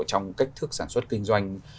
trong cách thức sản xuất kinh doanh